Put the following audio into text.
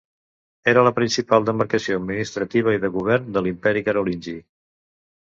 Era la principal demarcació administrativa i de govern a l'Imperi carolingi.